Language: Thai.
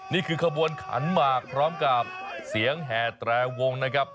นี่คือขบวนขันหมากพร้อมกับเสียงแห่แตรวงนะครับ